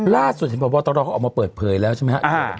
ล่าสุดที่ผมบอกว่าต้องรอเขาออกมาเปิดเผยแล้วใช่ไหมครับ